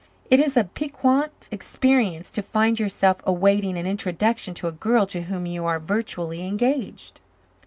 It is a piquant experience to find yourself awaiting an introduction to a girl to whom you are virtually engaged.